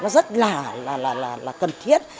rất là là là là là cần thiết